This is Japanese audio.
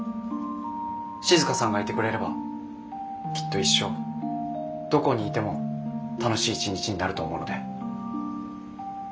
静さんがいてくれればきっと一生どこにいても楽しい一日になると思うので。